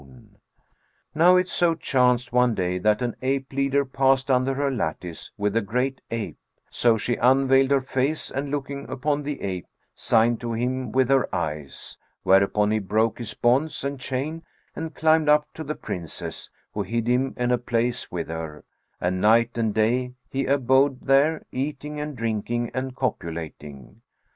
[FN$438] Now it so chanced one day, that an ape leader passed under her lattice, with a great ape; so she unveiled her face and looking upon the ape, signed to him with her eyes, whereupon he broke his bonds and chain and climbed up to the Princess, who hid him in a place with her, and night and day he abode there, eating and drinking and copulating.